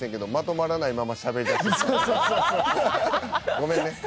ごめんね。